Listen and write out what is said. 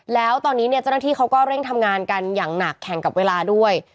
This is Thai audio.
แล้วตอนนี้เนี่ยเจ้าหน้าที่เขาก็เร่งทำงานกันอย่างหนักแข่งกับเวลาด้วย